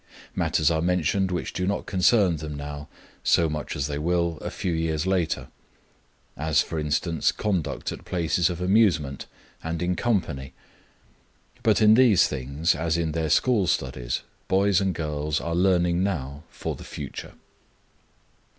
Matters are mentioned which do not concern them now so much as they will a few years later; as, for instance, conduct at places of amusement and in company; but in these things, as in their school studies, boys and girls are learning now for the future.